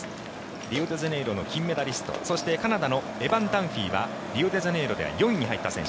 リオデジャネイロの金メダリストそして、カナダのエバン・ダンフィーはリオデジャネイロでは４位に入った選手。